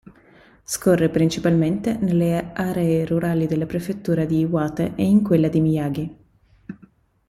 Scorre principalmente nelle aree rurali della Prefettura di Iwate e in quella di Miyagi.